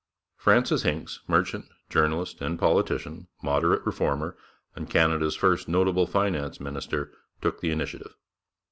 Francis Hincks, merchant, journalist, and politician, moderate reformer, and Canada's first notable finance minister, took the initiative.